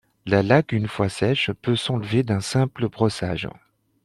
La laque une fois sèche peut s'enlever d'un simple brossage.